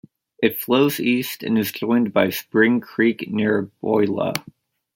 It flows east, and is joined by Spring Creek near Beulah.